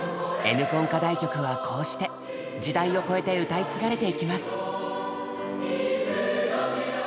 「Ｎコン」課題曲はこうして時代を超えて歌い継がれてゆきます。